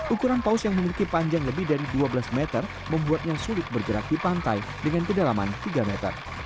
ukuran paus yang memiliki panjang lebih dari dua belas meter membuatnya sulit bergerak di pantai dengan kedalaman tiga meter